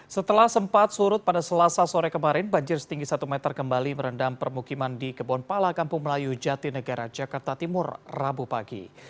setelah sempat surut pada selasa sore kemarin banjir setinggi satu meter kembali merendam permukiman di kebonpala kampung melayu jatinegara jakarta timur rabu pagi